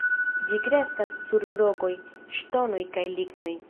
Ĝi kreskas sur rokoj, ŝtonoj kaj lignoj.